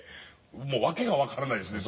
もう訳が分からないですね